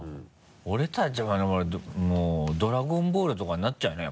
俺たちはもう「ドラゴンボール」とかになっちゃうね